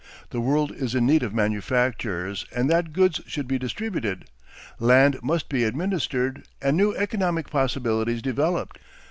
The world is in need of manufactures and that goods should be distributed; land must be administered and new economic possibilities developed.